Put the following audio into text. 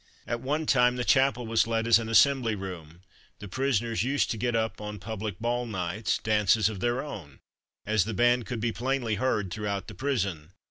At one time the chapel was let as an assembly room. The prisoners used to get up, on public ball nights, dances of their own, as the band could be plainly heard throughout the prison.